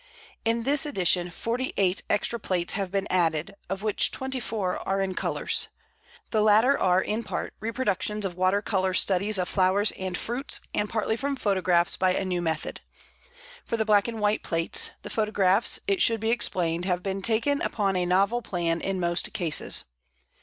In this edition forty eight extra plates have been added, of which twenty four are in colours. The latter are in part reproductions of water colour studies of flowers and fruits, and partly from photographs by a new method. For the black and white plates, the photographs, it should be explained, have been taken upon a novel plan in most cases.